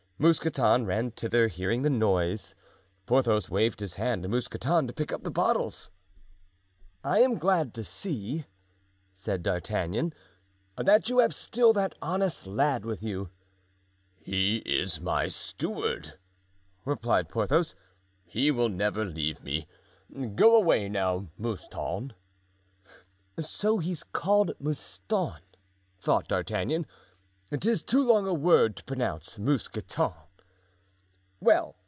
Mousqueton ran thither, hearing the noise. Porthos waved his hand to Mousqueton to pick up the bottles. "I am glad to see," said D'Artagnan, "that you have still that honest lad with you." "He is my steward," replied Porthos; "he will never leave me. Go away now, Mouston." "So he's called Mouston," thought D'Artagnan; "'tis too long a word to pronounce 'Mousqueton.